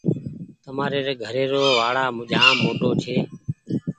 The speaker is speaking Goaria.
تمآر گھري رو وآڙآ جآم موٽو ڇي۔